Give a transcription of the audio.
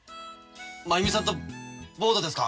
真弓さんとボートですか？